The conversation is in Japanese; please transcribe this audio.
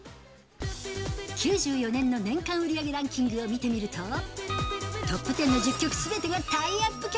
９４年の年間売り上げランキングを見てみると、トップ１０の１０曲すべてがタイアップ曲。